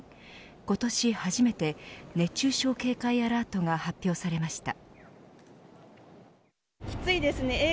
今年初めて熱中症警戒アラートが発表されました。